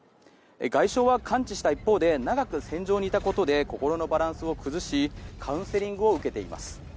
外傷は完治した一方で長く戦場にいたことで心のバランスを崩しカウンセリングを受けています。